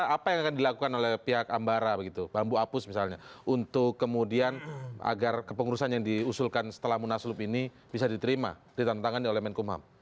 apa yang akan dilakukan oleh pihak ambara begitu bambu apus misalnya untuk kemudian agar kepengurusan yang diusulkan setelah munaslup ini bisa diterima ditandatangani oleh menkumham